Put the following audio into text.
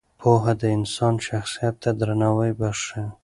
پوهه د انسان شخصیت ته درناوی بښي.